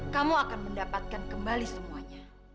kamu akan mendapatkan kembali semuanya